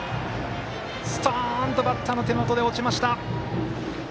ストンとバッターの手元で落ちました。